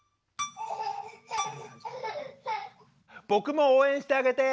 僕も応援してあげて。